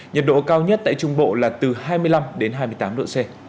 nhiệt độ cao nhất tại trung bộ là từ hai mươi năm đến hai mươi tám độ c